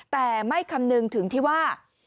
แต่ไม่คำนึงถึงที่ว่า